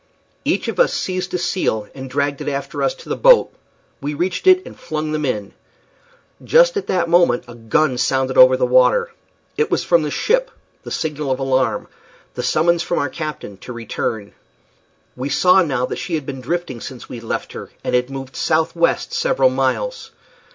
Each of us seized a seal and dragged it after us to the boat. We reached it and flung them in. Just at that moment a gun sounded over the water. It was from the ship the signal of alarm the summons from the captain for our return. We saw now that she had been drifting since we left her, and had moved southwest several miles.